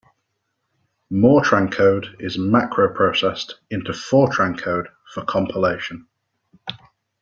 Mortran code is macro-processed into Fortran code for compilation.